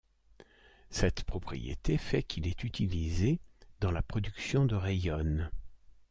Cette propriété fait qu'il est utilisé dans la production de rayonne.